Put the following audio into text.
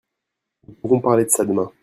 nous pourrons parler de ça demain.